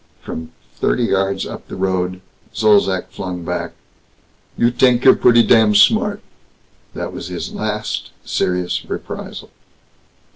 From thirty yards up the road, Zolzac flung back, "You t'ink you're pretty damn smart!" That was his last serious reprisal.